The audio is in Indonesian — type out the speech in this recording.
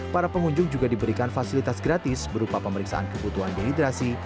para pengunjung juga diberikan fasilitas gratis berupa pemeriksaan kebutuhan dehidrasi